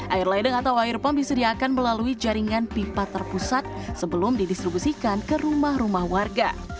air ledeng atau air pump disediakan melalui jaringan pipa terpusat sebelum didistribusikan ke rumah rumah warga